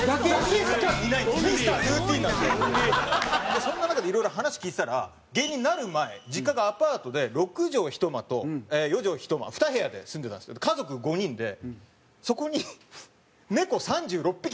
そんな中でいろいろ話聞いてたら芸人になる前実家がアパートで６畳１間と４畳１間２部屋で住んでたんですけど家族５人でそこに。